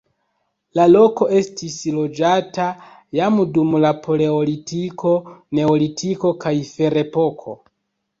La loko estis loĝata jam dum la paleolitiko, neolitiko kaj ferepoko.